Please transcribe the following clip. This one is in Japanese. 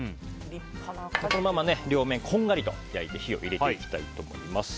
このまま両面、こんがりと焼いて火を入れていきたいと思います。